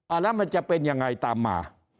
แล้วมันจะเป็นยังไงตามมา